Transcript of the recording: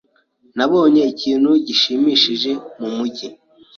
Nabonye ikintu gishimishije mumujyi.